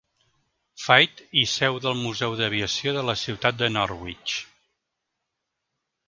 Faith i seu del Museu d'Aviació de la ciutat de Norwich.